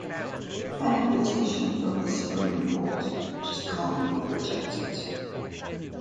An invitation from the Supreme Court just can't be rejected.